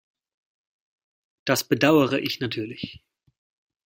Das bedauere ich natürlich.